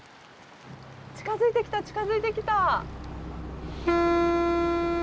近づいてきた近づいてきた。